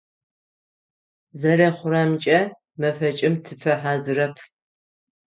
Зэрэхъурэмкӏэ, мэфэкӏым тыфэхьазырэп.